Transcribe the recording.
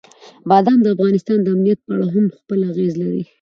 بادام د افغانستان د امنیت په اړه هم خپل اغېز لري.